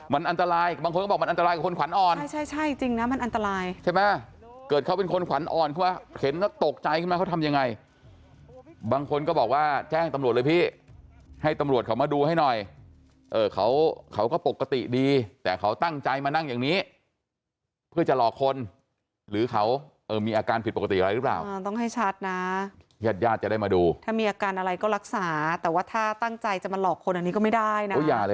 มันอันตรายบางคนก็บอกว่ามันอันตรายกับคนขวัญอ่อนใช่จริงนะมันอันตรายใช่ไหมเกิดเขาเป็นคนขวัญอ่อนเขาเห็นแล้วตกใจเขาทำยังไงบางคนก็บอกว่าแจ้งตำรวจเลยพี่ให้ตำรวจเขามาดูให้หน่อยเขาก็ปกติดีแต่เขาตั้งใจมานั่งอย่างนี้เพื่อจะหลอกคนหรือเขามีอาการผิดปกติอะไรหรือเปล่าต้องให้ชัดนะแยดยาด